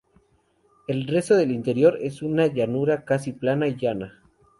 El resto del interior es una llanura casi plana y llana.